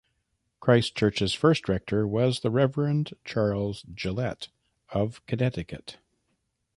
Christ Church's first rector was the Rev'd Charles Gillett of Connecticut.